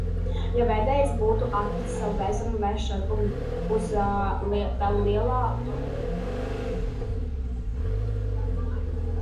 Ja vedējs būtu atlicis savu vezuma vešanu uz vēlāku laiku, pēc pusdienas?